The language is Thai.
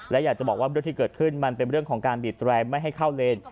และอยากจะบอกว่าเรื่องที่เกิดขึ้นมันเป็นเรื่องของการบีดแรมไม่ให้เข้าเลน